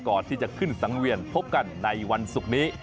ก่อนที่จะขึ้นสังเวียนพบกันในวันศุกร์นี้